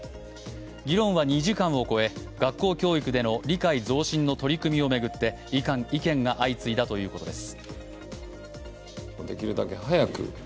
議論は２時間を超え、学校教育での理解増進の取り組みを巡って意見が相次いだということです。